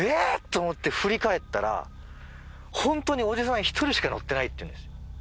⁉と思って振り返ったらホントにおじさん１人しか乗ってないっていうんです。